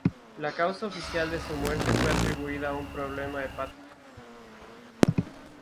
La causa oficial de su muerte fue atribuida a un problema hepático.